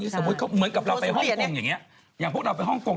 เหมือนกับเราไปห้องกรวม